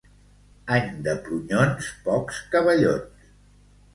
Any de prunyons, pocs cavallons.